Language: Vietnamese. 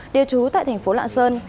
đều trú tại tp lạng sơn